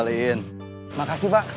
terima kasih pak